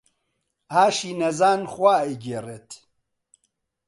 ئاشی نەزان خوا ئەیگێڕێت